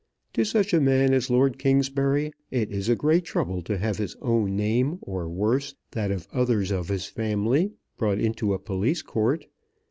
To such a man as Lord Kingsbury it is a great trouble to have his own name, or worse, that of others of his family, brought into a Police Court.